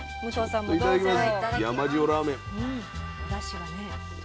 はいいただきます。